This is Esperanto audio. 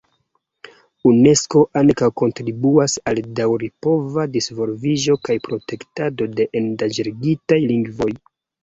Unesko ankaŭ kontribuas al daŭripova disvolviĝo kaj protektado de endanĝerigitaj lingvoj.